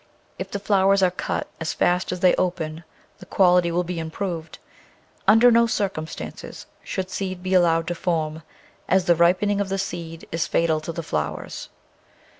If the flowers are cut as fast as they open the quality will be improved. Under no circumstances should seed be allowed to form, as the ripening of the seed is fatal to the flowers.